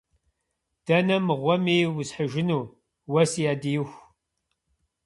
Дэнэ мыгъуэми усхьыжыну, уэ си ӏэдииху?